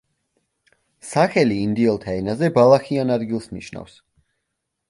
სახელი ინდიელთა ენაზე „ბალახიან ადგილს“ ნიშნავს.